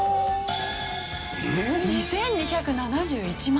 ２２７１万人。